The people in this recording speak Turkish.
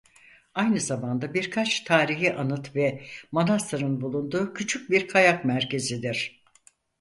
Aynı zamanda birkaç tarihi anıt ve manastırın bulunduğu küçük bir kayak merkezidir.